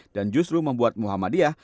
dan justru membuat muhammadiyah